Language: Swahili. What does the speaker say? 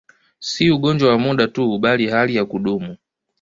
Si ugonjwa wa muda tu, bali hali ya kudumu.